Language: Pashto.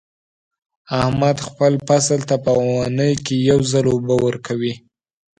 احمد خپل فصل ته په اونۍ کې یو ځل اوبه ورکوي.